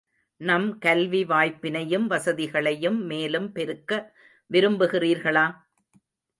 நம் கல்வி வாய்ப்பினையும் வசதிகளையும் மேலும் பெருக்க விரும்புகிறீர்களா?